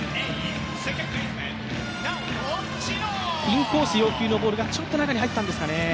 インコース要求のボールがちょっと中に入ったんですかね。